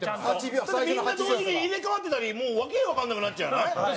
山崎：みんな、同時に入れ替わってたりわけわかんなくなっちゃわない？